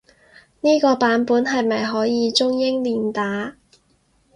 呢個版本係咪可以中英連打？